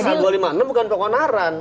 pasal dua ratus lima puluh enam bukan keonaran